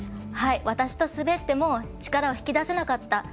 私と滑っても力を引き出せなかった。